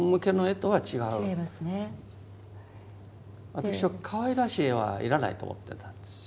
私はかわいらしい絵は要らないと思ってたんですよ。